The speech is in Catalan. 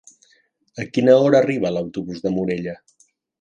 A quina hora arriba l'autobús de Morella?